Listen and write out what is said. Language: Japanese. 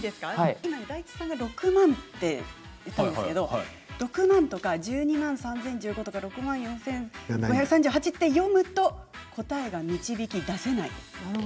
今、大吉さんが６万と言ったんですが１２万３０１５とか６万４５３８と読むと答えが導き出せません。